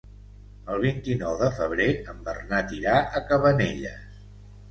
El vint-i-nou de febrer en Bernat irà a Cabanelles.